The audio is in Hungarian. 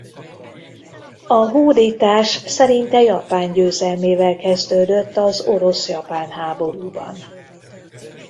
A hódítás szerinte japán győzelmével kezdődött az orosz-japán háborúban.